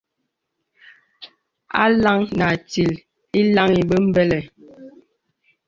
A LAŋ Nə Atīl īlaŋī bə̀mbələ̀.